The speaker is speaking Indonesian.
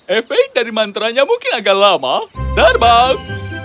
efek dari mantranya mungkin agak lama terbang